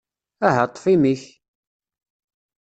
Aha, ṭṭef imi-k!